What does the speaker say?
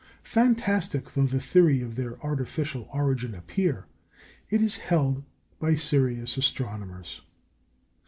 Fantastic though the theory of their artificial origin appear, it is held by serious astronomers.